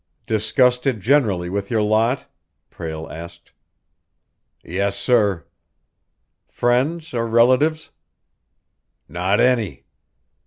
"Disgusted generally with your lot?" Prale asked. "Yes, sir." "Friends or relatives?" "Not any."